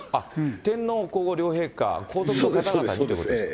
天皇皇后両陛下、皇族の方々にということですか。